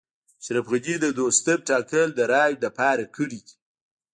اشرف غني د دوستم ټاکل د رایو لپاره کړي دي